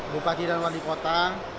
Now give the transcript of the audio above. bupati dan wali kota